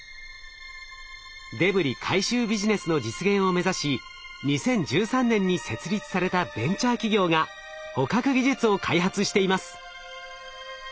デブリ回収ビジネスの実現を目指し２０１３年に設立されたベンチャー企業が捕獲技術を開発しています。